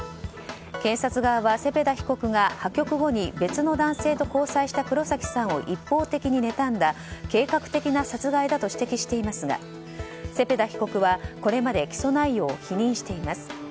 検察側はセペダ被告が破局後に別の男性と交際した黒崎さんを一方的にねたんだ計画的な殺害だと指摘していますがセペダ被告はこれまで起訴内容を否認しています。